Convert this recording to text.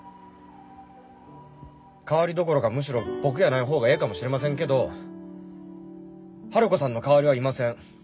代わりどころかむしろ僕やない方がええかもしれませんけどハルコさんの代わりはいません。